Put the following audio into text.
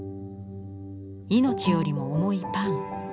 命よりも重いパン。